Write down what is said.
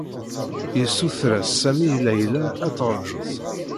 Yessuter-as Sami i Layla ad teṛju.